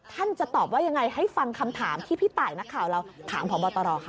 จะตอบว่ายังไงให้ฟังคำถามที่พี่ตายนักข่าวเราถามพบตรค่ะ